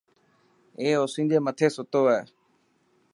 اي او اوسينجي مٿي ستو هي.